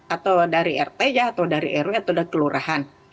atau dari rt nya atau dari rw atau dari kelurahan